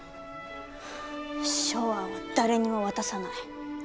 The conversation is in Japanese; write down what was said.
ショウアンは誰にも渡さない！